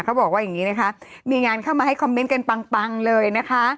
เขาบอกว่าอย่างนี้นะคะมีงานเข้ามาให้คอมเมนต์กันปังเลยนะคะ